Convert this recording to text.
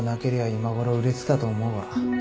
今ごろ売れてたと思うが。